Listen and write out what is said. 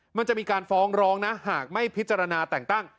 มันจะมีการฟ้องร้องนะหากไม่พิจารณาแต่งตั้ง